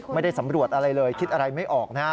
ไม่ได้สำรวจอะไรเลยคิดอะไรไม่ออกนะฮะ